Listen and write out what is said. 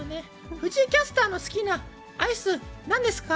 藤井キャスターの好きなアイス、なんですか？